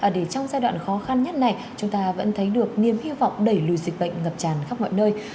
để trong giai đoạn khó khăn nhất này chúng ta vẫn thấy được niềm hy vọng đẩy lùi dịch bệnh ngập tràn khắp mọi nơi